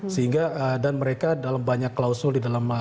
sehingga dan mereka dalam banyak klausul di dalam